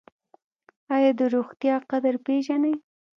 ایا د روغتیا قدر پیژنئ؟